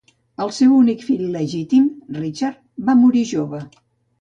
El seu únic fill legítim, Richard, va morir jove.